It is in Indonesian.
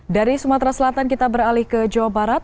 dari sumatera selatan kita beralih ke jawa barat